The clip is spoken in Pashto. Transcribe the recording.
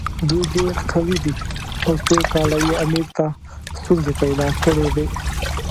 دوی ډېر قوي دي او څو کاله یې امیر ته ستونزې پیدا کړې وې.